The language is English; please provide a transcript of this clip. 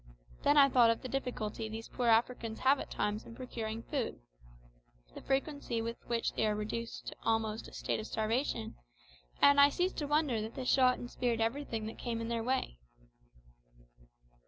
Then I thought of the difficulty these poor Africans have at times in procuring food, the frequency with which they are reduced almost to a state of starvation, and I ceased to wonder that they shot and speared everything that came in their way.